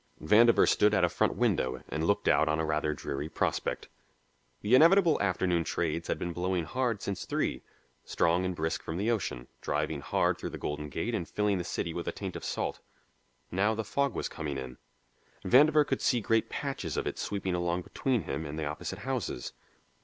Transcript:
Vandover stood at a front window and looked out on a rather dreary prospect. The inevitable afternoon trades had been blowing hard since three, strong and brisk from the ocean, driving hard through the Golden Gate and filling the city with a taint of salt. Now the fog was coming in; Vandover could see great patches of it sweeping along between him and the opposite houses.